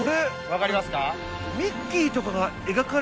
分かりますか？